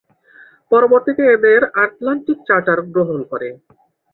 পরবর্তীতে এদের Atlantic charter গ্রহণ করে।